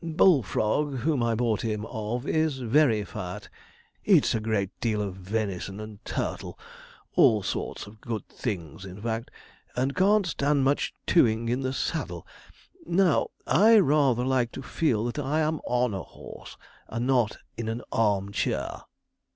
Bullfrog, whom I bought him of, is very fat eats a great deal of venison and turtle all sorts of good things, in fact and can't stand much tewing in the saddle; now, I rather like to feel that I am on a horse, and not in an arm chair.'